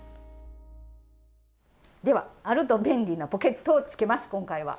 ではあると便利なポケットをつけます今回は。